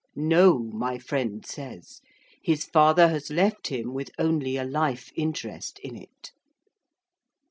'No,' my friend says, 'his father has left him with only a life interest in it.